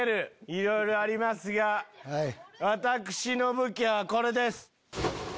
いろいろありますが私の武器はこれです。